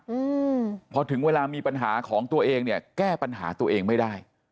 อืมพอถึงเวลามีปัญหาของตัวเองเนี่ยแก้ปัญหาตัวเองไม่ได้